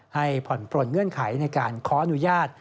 ให้ผ่อนปลนเงื่อนไขในการขออนุญาต